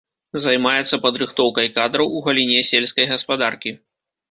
Займаецца падрыхтоўкай кадраў у галіне сельскай гаспадаркі.